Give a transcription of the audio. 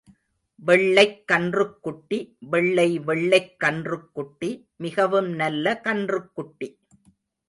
வெள்ளைக் கன்றுக் குட்டி வெள்ளை வெள்ளைக் கன்றுக் குட்டி, மிகவும் நல்ல கன்றுக் குட்டி.